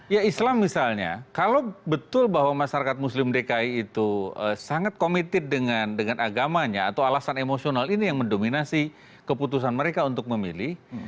ya islam misalnya kalau betul bahwa masyarakat muslim dki itu sangat committed dengan agamanya atau alasan emosional ini yang mendominasi keputusan mereka untuk memilih